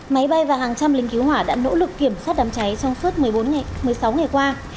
máy bay và hàng trăm lính cứu hỏa đã nỗ lực kiểm soát đám cháy trong suốt một mươi sáu ngày qua